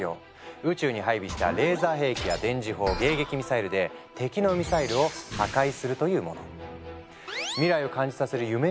宇宙に配備したレーザー兵器や電磁砲迎撃ミサイルで敵のミサイルを破壊するというもの。